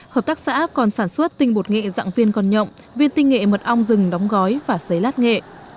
hợp tác xã còn sản xuất tinh bột nghệ dạng viên còn nhộng viên tinh nghệ mật ong rừng đóng gói và xấy lát nghệ